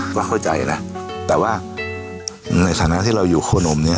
ก็เข้าใจนะแต่ว่าในฐานะที่เราอยู่โคนมเนี่ย